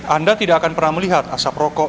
anda tidak akan pernah melihat asap rokok